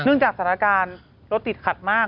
เนื่องจากสถานการณ์รถติดขัดมาก